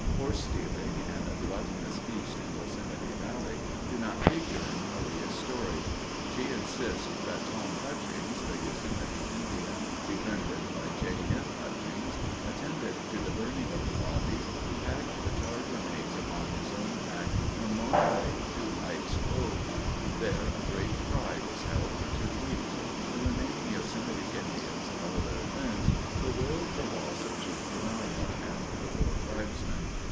Horse stealing and a gluttonous feast in Yosemite Valley do not figure in Maria's story. She insists that Tom "Hutchings," the Yosemite Indian befriended by J. M. Hutchings, attended to the burning of the bodies and packed the charred remains upon his own back from Mono Lake to Hites Cove. There a great "cry" was held for two weeks; the remaining Yosemite Indians and all their friends bewailed the loss of Chief Tenaya and the four tribesmen.